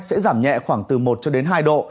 sẽ giảm nhẹ khoảng từ một cho đến hai độ